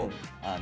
あ！